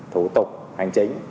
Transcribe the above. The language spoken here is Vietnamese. thủ tục hành chính